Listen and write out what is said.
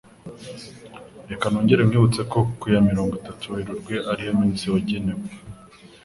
Reka nongere nkwibutse ko ku ya mirongo tatu Werurwe ariwo munsi wagenwe